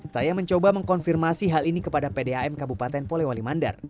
saya mencoba mengkonfirmasi hal ini kepada pdam kabupaten polewali mandar